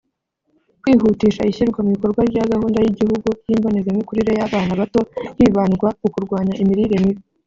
Kwihutisha ishyirwamubikorwa rya Gahunda y’Igihugu y’Imbonezamikurire y’Abana bato hibandwa ku kurwanya imirire mibi